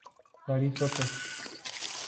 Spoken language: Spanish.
París Op.